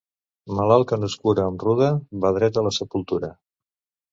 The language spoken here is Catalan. Malalt que no es cura amb ruda va dret a la sepultura.